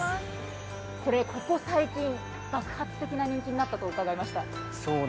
ここ最近、爆発的な人気になったと伺いました。